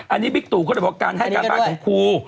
อันนี้บิ๊กตูเขาเรียกว่าการให้การบ้านของครู